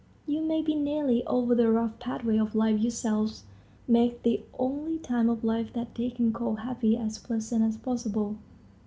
You may be nearly over the rough pathway of life yourselves; make the only time of life that they can call happy as pleasant as possible.